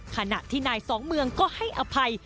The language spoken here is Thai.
ขณะที่นายสองเมืองก็ให้อภัย